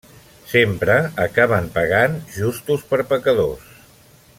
Sempre acaben pagant justos per pecadors.